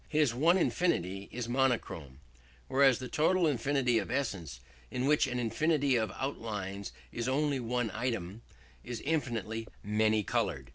His one infinity is monochrome, whereas the total infinity of essence, in which an infinity of outlines is only one item, is infinitely many coloured.